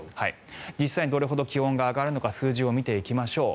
実際にどれほど気温が上がるのか数字を見ていきましょう。